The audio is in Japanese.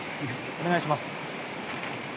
お願いします。